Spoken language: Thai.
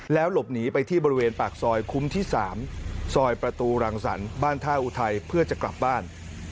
หลบหนีไปที่บริเวณปากซอยคุ้มที่๓ซอยประตูรังสรรค์บ้านท่าอุทัยเพื่อจะกลับบ้าน